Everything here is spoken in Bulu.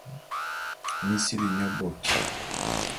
Mi sili nye bôt.